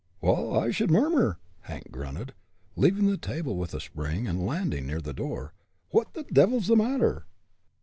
"Waal, I should murmur," Hank grunted, leaving the table with a spring, and landing near the door. "What the devil's the matter?"